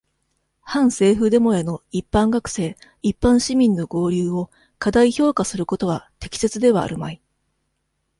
反政府デモへの、一般学生、一般市民の合流を、過大評価することは、適切ではあるまい。